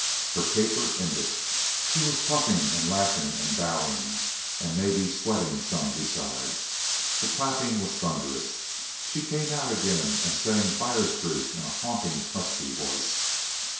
Her caper ended. She was puffing and laughing and bowing and maybe sweating, some, besides. The clapping was thunderous. She came out again and sang Fire Streak in a haunting, husky voice.